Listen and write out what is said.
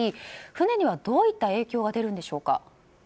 船にはどういった影響が出るんでしょうか。